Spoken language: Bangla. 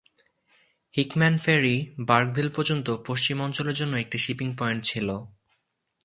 হিকম্যান ফেরি বার্কভিল পর্যন্ত পশ্চিম অঞ্চলের জন্য একটি শিপিং পয়েন্ট ছিল।